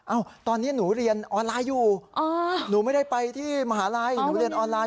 ตอนนี้หนูเรียนออนไลน์อยู่หนูไม่ได้ไปที่มหาลัยหนูเรียนออนไลน